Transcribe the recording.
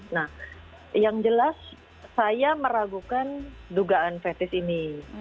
nah yang jelas saya meragukan dugaan fetis ini